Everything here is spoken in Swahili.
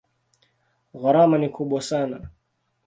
Gharama ni kubwa sana.